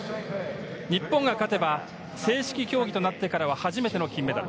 日本が勝てば、正式競技となってからは初めての金メダル。